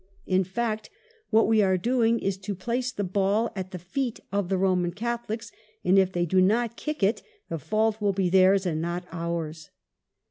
... In fact, what we are doing is to place the ball at the feet of the Roman Catholics, and if they do not kick it the fault will be theirs and not ours."